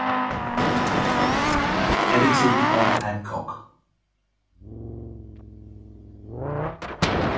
Edited by Adcock.